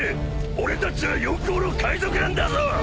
俺たちは四皇の海賊団だぞ！